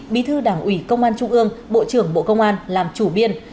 bí thư đảng ủy công an trung ương bộ trưởng bộ công an làm chủ biên